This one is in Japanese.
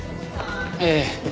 ええ。